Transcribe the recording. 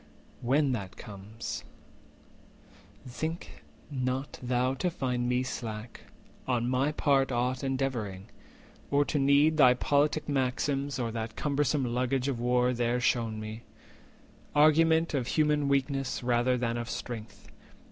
When that comes, think not thou to find me slack On my part aught endeavouring, or to need Thy politic maxims, or that cumbersome 400 Luggage of war there shewn me—argument Of human weakness rather than of strength.